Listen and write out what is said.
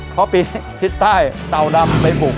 เพราะปีนี้ทิศใต้เตาดำใบบุก